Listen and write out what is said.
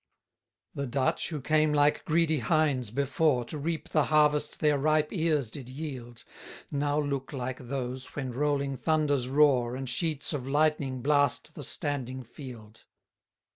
112 The Dutch, who came like greedy hinds before, To reap the harvest their ripe ears did yield, Now look like those, when rolling thunders roar, And sheets of lightning blast the standing field.